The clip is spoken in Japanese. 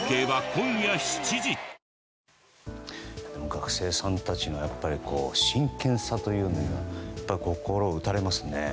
学生さんたちの真剣さというのに心を打たれますね。